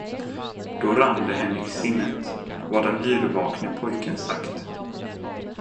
Då rann det henne i sinnet, vad den yrvakne pojken sagt.